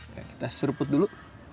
kita seruput dulu